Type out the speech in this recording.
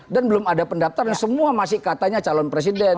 dan belum ada pendaptan dan semua masih katanya calon presiden